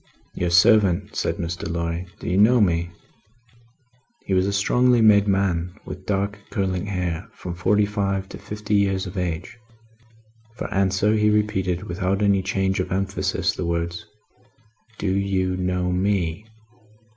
"Your servant," said Mr. Lorry. "Do you know me?" He was a strongly made man with dark curling hair, from forty five to fifty years of age. For answer he repeated, without any change of emphasis, the words: "Do you know me?"